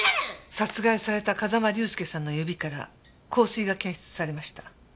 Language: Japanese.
殺害された風間隆介さんの指から香水が検出されました。